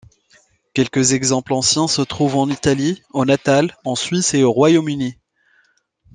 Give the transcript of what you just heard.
Quelques exemples anciens se trouvent en Italie, au Natal, en Suisse et au Royaume-Uni.